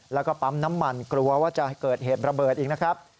แล้วก็ปั๊มน้ำมันกลัวว่าจะเกิดเหตุระเบิดอีกนะครับ